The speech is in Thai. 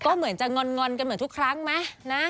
ก็เหมือนจะงอนกันเหมือนทุกครั้งไหมนะ